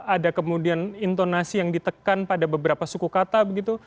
ada kemudian intonasi yang ditekan pada beberapa suku kata begitu